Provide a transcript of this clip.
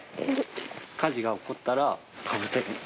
火事が起こったらかぶせる。